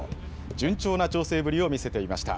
順調な調整ぶりを見せていました。